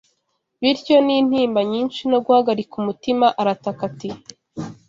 bityo n’intimba nyinshi no guhagarika umutima arataka ati